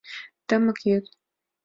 Тымык йӱд